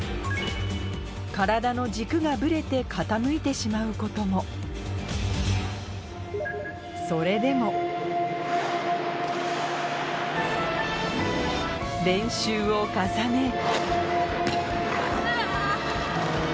体の軸がブレて傾いてしまうこともそれでも練習を重ねうわ。